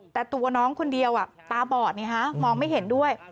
แต่ตัวน้องคนเดียวตาบอดมองไม่เห็นด้วย